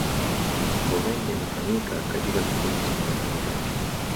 mambo mengi yamefanyika katika kipindi cha miaka mitatu